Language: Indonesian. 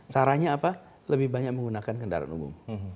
caranya apa lebih banyak menggunakan kendaraan umum